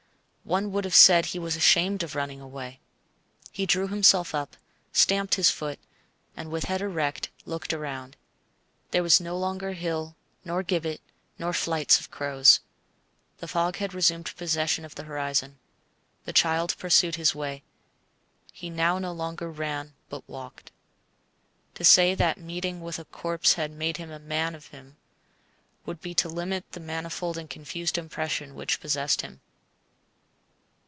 One would have said he was ashamed of running away. He drew himself up, stamped his foot, and, with head erect, looked round. There was no longer hill, nor gibbet, nor flights of crows. The fog had resumed possession of the horizon. The child pursued his way: he now no longer ran but walked. To say that meeting with a corpse had made a man of him would be to limit the manifold and confused impression which possessed him.